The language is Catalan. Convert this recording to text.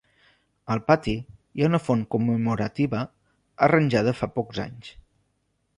Al pati hi ha una font commemorativa, arranjada fa pocs anys.